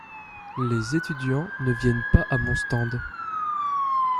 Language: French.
Les étudiants ne viennent pas à mon stand.